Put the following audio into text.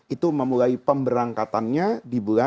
itu memulai pemberangkatannya di bulan zul qadah